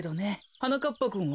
はなかっぱくんは？